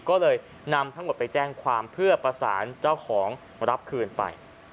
ก็เลยนำทั้งหมดไปแจ้งความเพื่อประสานเจ้าของรับคืนไป